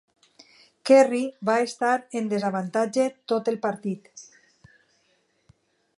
Kerry va estar en desavantatge tot el partit.